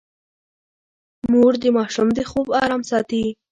مور د ماشوم د خوب ارام ساتي.